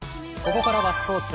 ここからはスポーツ。